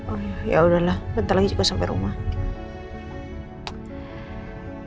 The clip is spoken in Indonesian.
oh ya udahlah bentar lagi juga sampai rumah